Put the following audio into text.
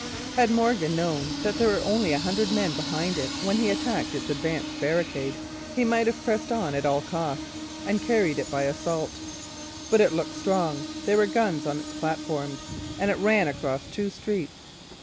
Had Morgan known that there were only a hundred men behind it when he attacked its advanced barricade he might have pressed on at all costs and carried it by assault. But it looked strong, there were guns on its platforms, and it ran across two streets.